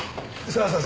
さあ